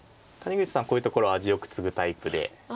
こういうところは味よくツグタイプで。